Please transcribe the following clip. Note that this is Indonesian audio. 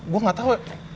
gue gak tau